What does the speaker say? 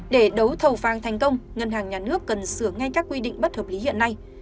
để đấu thầu vàng thành công ngân hàng nhà nước cần sửa ngay các quy định bất hợp lý hiện nay